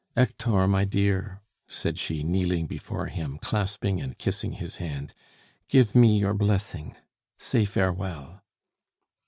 Hector, my dear," said she, kneeling before him, clasping and kissing his hand, "give me your blessing! Say farewell."